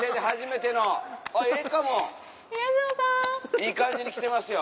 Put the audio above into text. いい感じに来てますよ。